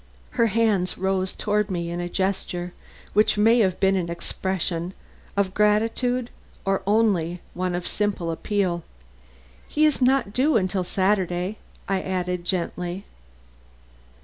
Her hands rose toward me in a gesture which may have been an expression of gratitude or only one of simple appeal. "He is not due until Saturday," I added gently.